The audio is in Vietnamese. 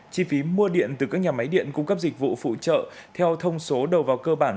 chi phí mua điện từ các nhà máy điện cung cấp dịch vụ phụ trợ theo thông số đầu vào cơ bản